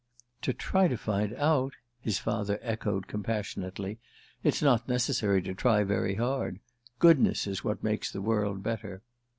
"To try to find out?" his father echoed compassionately. "It's not necessary to try very hard. Goodness is what makes the world better."